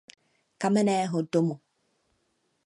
Kamenného domu.